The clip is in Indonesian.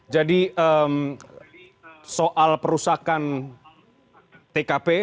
jadi soal perusakan tkp menghilangkan barang bukti adalah apa